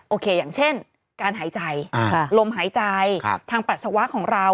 อย่างเช่นการหายใจลมหายใจทางปัสสาวะของเรา